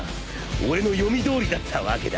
俺の読みどおりだったわけだ。